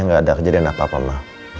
nanti gak ada kejadian apa apa ma